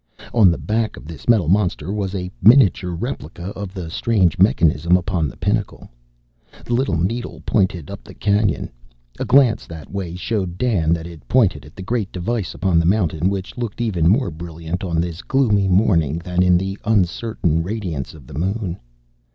On the back of this metal monster was a miniature replica of the strange mechanism upon the pinnacle. The little needle pointed up the canyon. A glance that way showed Dan that it pointed at the great device upon the mountain, which looked even more brilliant on this gloomy morning than in the uncertain radiance of the moon.